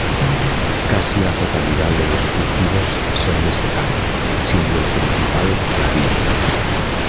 Casi la totalidad de los cultivos son de secano, siendo el principal la vid.